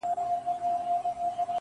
مخ ځيني واړوه ته,